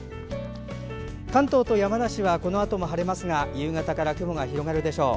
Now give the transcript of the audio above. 関東と山梨はこのあとも晴れますが夕方から雲が広がるでしょう。